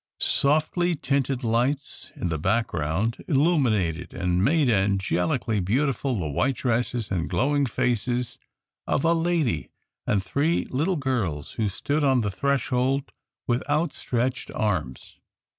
Softly tinted lights in the background illuminated and made angelically beautiful the white dresses and glowing faces of a lady and three little girls who stood on the threshold with outstretched arms.